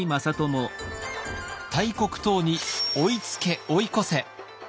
大国唐に追いつけ追い越せ。